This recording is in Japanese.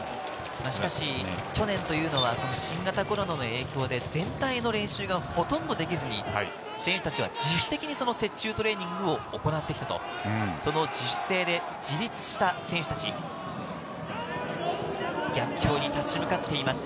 しかし去年というのは新型コロナの影響で全体の練習がほとんどできずに選手たちは自主的に雪中トレーニングを行ってきたと、自主性で自立した選手達、逆境に立ち向かっています。